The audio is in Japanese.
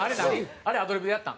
あれアドリブでやったん？